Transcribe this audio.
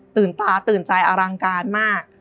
ตาตื่นใจอลังการมาก